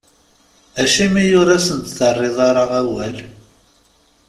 Acimi ur asent-terriḍ ara awal?